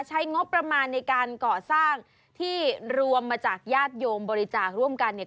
ใช้งบประมาณในการก่อสร้างที่รวมมาจากญาติโยมบริจาคร่วมกันเนี่ย